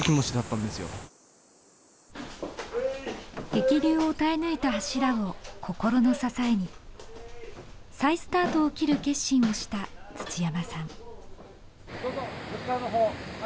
激流を耐え抜いた柱を心の支えに再スタートを切る決心をした土山さん。